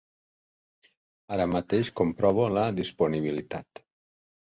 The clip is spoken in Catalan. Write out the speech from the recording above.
Ara mateix comprovo la disponibilitat.